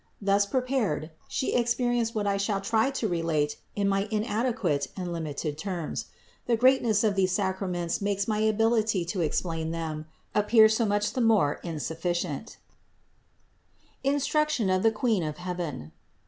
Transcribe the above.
Thus prepared She experienced what I shall try to relate in my inadequate and limited terms. The greatness of these sacraments makes my ability to ex plain them appear so much the more insufficient INSTRUCTION OF THE QUEEN OF HEAVEN.